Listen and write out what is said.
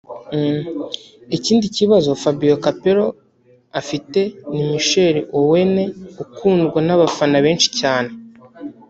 Ikindi kibazo Fabio Capello afite ni Michael Owen ukundwa n'abafana benshi cyane